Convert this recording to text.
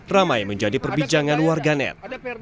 ramai menjadi perbincangan warganet